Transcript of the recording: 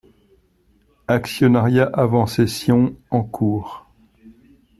Actionnariat avant cession en cours.